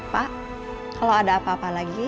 pak kalau ada apa apa lagi